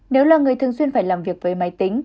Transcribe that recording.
nếu là người thường xuyên phải làm việc với máy tính